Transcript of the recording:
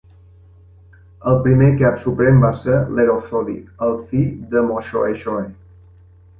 El primer cap suprem va ser Lerothodi, el fill de Moshoeshoe.